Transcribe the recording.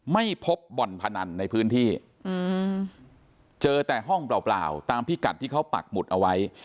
ไม่พบบ่อนพนันในพื้นที่เจอแต่ห้องเปล่าตามพิกัดที่เขาปักหมุดเอาไว้